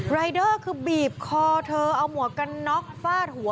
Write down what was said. รายเดอร์คือบีบคอเธอเอาหมวกกันน็อกฟาดหัว